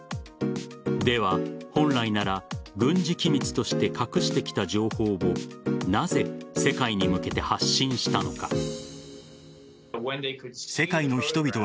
では、本来なら軍事機密として隠してきた情報をなぜ世界に向けて発信したのか。